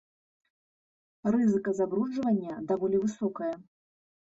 Рызыка забруджвання даволі высокая.